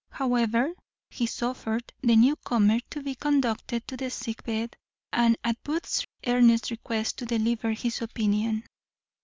However, he suffered the new comer to be conducted to the sick bed, and at Booth's earnest request to deliver his opinion.